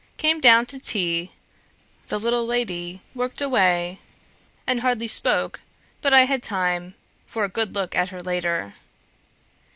came down to tea; the little lady worked away and hardly spoke but I had time for a good look at her.